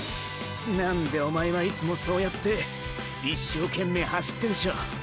何でおまえはいつもそうやって一生懸命走ってんショ。